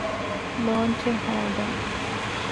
ލޯންޗެއް ހޯދަން